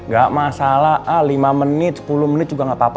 gak masalah al lima menit sepuluh menit juga gapapa